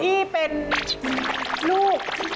ที่เป็นลูก